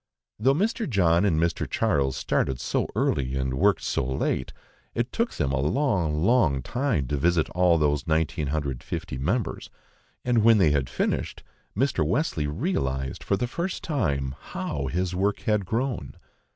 Though Mr. John and Mr. Charles started so early and worked so late, it took them a long, long time to visit all those 1950 members, and when they had finished, Mr. Wesley realised for the first time how his work had grown.